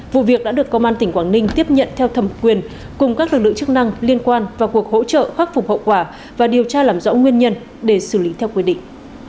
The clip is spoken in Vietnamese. vụ việc đã được công an tỉnh quảng ninh tiếp nhận theo thẩm quyền cùng các lực lượng chức năng liên quan vào cuộc hỗ trợ khắc phục hậu quả và điều tra làm rõ nguyên nhân để xử lý theo quy định